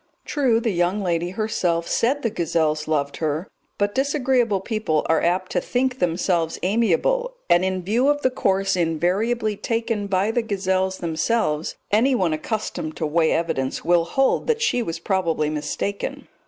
True, the young lady herself said the gazelles loved her; but disagreeable people are apt to think themselves amiable, and in view of the course invariably taken by the gazelles themselves anyone accustomed to weigh evidence will hold that she was probably mistaken.